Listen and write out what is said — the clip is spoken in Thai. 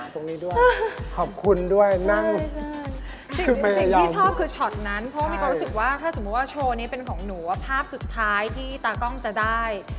แต่จะเป็นของหนูว่าภาพสุดท้ายที่ตากล้องจะได้